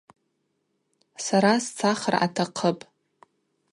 Сара сцахра атахъыпӏ.